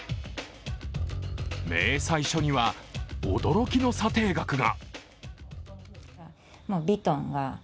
明細書には、驚きの査定額が。